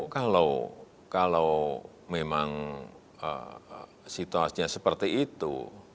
kalau memang situasinya seperti itu